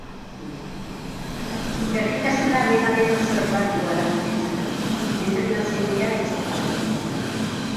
Berritasuna dena den, oso erlatiboa da guretzako, entrenatzailea etxekoa baita.